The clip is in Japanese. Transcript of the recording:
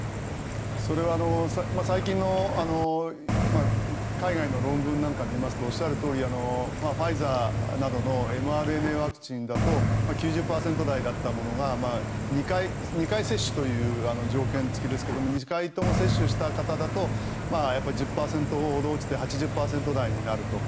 それは最近の海外の論文なんかを見ますとおっしゃるとおりファイザーなどのｍＲＮＡワクチンだと９０％台だったものが２回接種という条件付きですけど２回とも接種した方だと１０％ほど落ちて８０％台になると。